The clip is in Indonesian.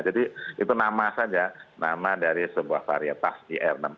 jadi itu nama saja nama dari sebuah varitas ir